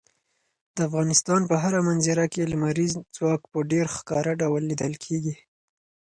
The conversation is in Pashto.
د افغانستان په هره منظره کې لمریز ځواک په ډېر ښکاره ډول لیدل کېږي.